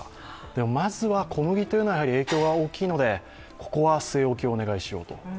でもまずは小麦というのは、影響が大きいのでここは据え置きをお願いしようと。